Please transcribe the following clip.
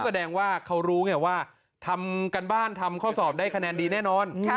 แสดงว่าเขารู้ไงว่าทำการบ้านทำข้อสอบได้คะแนนดีแน่นอน